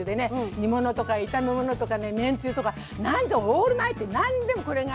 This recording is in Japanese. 煮物とか炒め物とかねめんつゆとかなんとオールマイティー何でもこれが。